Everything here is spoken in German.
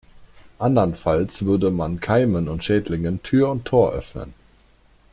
Andernfalls würde man Keimen und Schädlingen Tür und Tor öffnen.